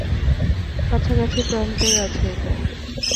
কাছাকাছি প্রান্তেই আছে এটা!